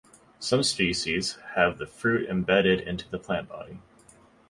Some species have the fruit embedded into the plant body.